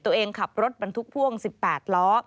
ตัวเองขับรถบรรทุกพ่วง๑๘ล้อ